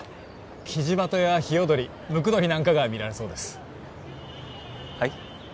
キジバトやヒヨドリムクドリなんかが見られそうですはい？